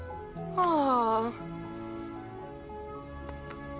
ああ！